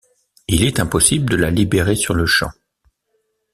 Il est impossible de la libérer sur-le-champ.